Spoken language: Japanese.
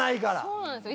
そうなんですよ。